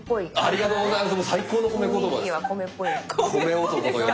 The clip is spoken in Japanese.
ありがとうございます。